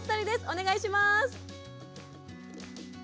お願いします。